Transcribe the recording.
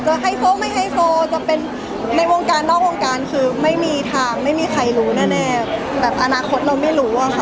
จะให้โชคไม่ให้โฟลจะเป็นในวงการนอกวงการคือไม่มีทางไม่มีใครรู้แน่แบบอนาคตเราไม่รู้อะค่ะ